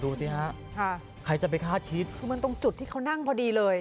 ดูสิฮะค่ะใครจะไปคาดคิดคือมันตรงจุดที่เขานั่งพอดีเลย